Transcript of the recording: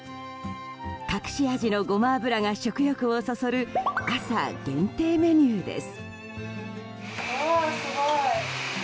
隠し味のゴマ油が食欲をそそる朝限定メニューです。